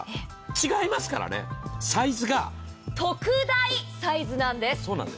違いますからね、サイズが特大サイズなんです。